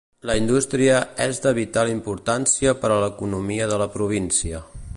La indústria és de vital importància per a l'economia de la província.